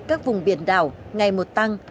các vùng biển đảo ngày một tăng